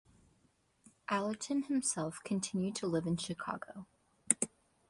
Allerton himself continued to live in Chicago.